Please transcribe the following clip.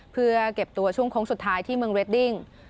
เพื่อเก็บตัวช่วงโค้งสุดท้ายที่เมืองเรดดิ้ง